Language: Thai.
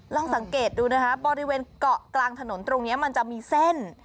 ลองสังเกตดูนะคะบริเวณเกาะกลางถนนตรงนี้มันจะมีเส้น